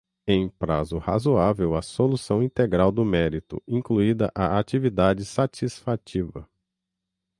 em prazo razoável a solução integral do mérito, incluída a atividade satisfativa